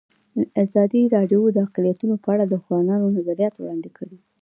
ازادي راډیو د اقلیتونه په اړه د ځوانانو نظریات وړاندې کړي.